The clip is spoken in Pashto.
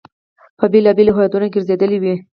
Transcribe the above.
په بېلابېلو هیوادونو ګرځېدلی وي.